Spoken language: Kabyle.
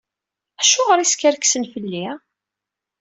Acuɣer i skerksen fell-i?